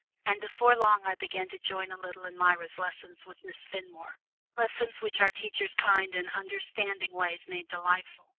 And before long I began to join a little in Myra's lessons with Miss Fenmore lessons which our teacher's kind and "understanding" ways made delightful.